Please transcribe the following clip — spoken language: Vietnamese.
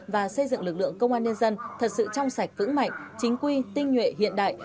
và xây dựng lực lượng công an nhân dân thật sự trong sạch vững mạnh chính quy tinh nhuệ hiện đại